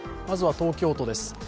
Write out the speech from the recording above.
まずは東京都です。